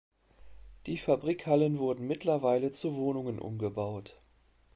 Die Fabrikhallen wurden mittlerweile zu Wohnungen umgebaut.